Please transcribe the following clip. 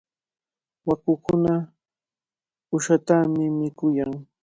Waakakuna uqshatami mikuyan.